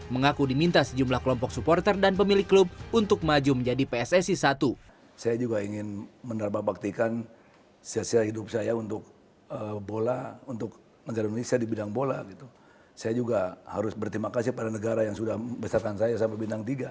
mengaku diminta sejumlah kelompok supporter dan pemilik klub untuk maju menjadi pssi satu